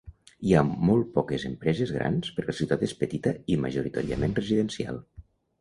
Hi ha molt poques empreses grans perquè la ciutat és petita i majoritàriament residencial.